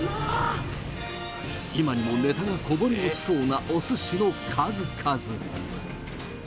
今にもネタがこぼれ落ちそうなおすしの数々。